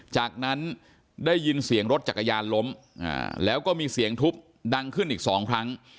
จากนั้นได้ยินเสียงรถจักรยานล้มแล้วก็มีเสียงทุบดังขึ้นอีกสองครั้ง